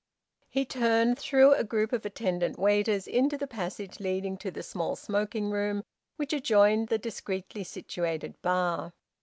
He turned, through a group of attendant waiters, into the passage leading to the small smoking room which adjoined the discreetly situated bar.